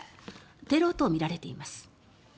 テロとみられています。